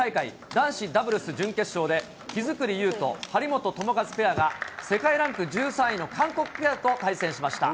男子ダブルス準決勝で木造勇人・張本智和ペアが、世界ランク１３位の韓国ペアと対戦しました。